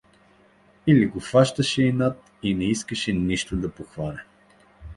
Или го хващаше инат и не искаше нищо да похване.